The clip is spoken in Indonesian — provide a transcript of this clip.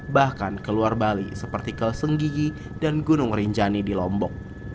bahkan ke luar bali seperti ke senggigi dan gunung rinjani di lombok